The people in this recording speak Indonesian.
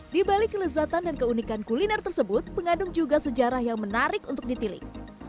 di balik kelezatan dan keunikan kuliner tersebut pengandung juga sejarah yang menarik untuk ditilik